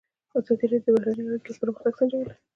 ازادي راډیو د بهرنۍ اړیکې پرمختګ سنجولی.